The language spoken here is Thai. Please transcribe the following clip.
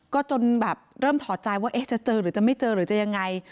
ก็จนแบบเริ่มถอดใจว่าจะเจอหรือจะไม่เจอหรือจะยังไง